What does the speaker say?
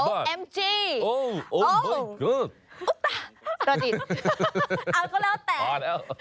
อ้าวเขาเล่าแตก